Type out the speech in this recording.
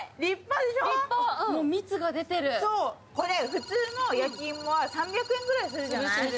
普通の焼き芋は３００円ぐらいするじゃない？